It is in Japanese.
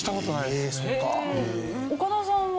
岡田さんは？